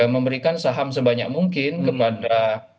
memberikan saham sebanyak mungkin kepada